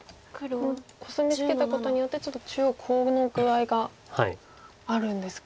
コスミツケたことによってちょっと中央コウの具合があるんですか。